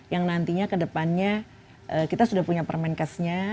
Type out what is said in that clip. yang nantinya ke depannya kita sudah punya permenkesnya